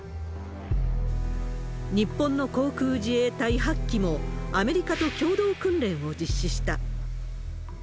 日本の航空自衛隊８機も、アメリカと共同訓練を実施した。